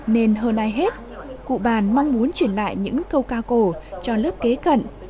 nên hơn ai hết cụ bàn mong muốn truyền lại những câu ca cổ cho lớp kế cận